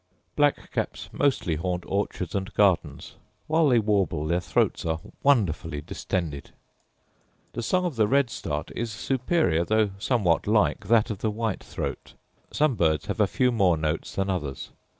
Black caps mostly haunt orchards and gardens; while they warble their throats are wonderfully distended. The song of the red start is superior, though somewhat like that of the white throat: some birds have a few more notes than others.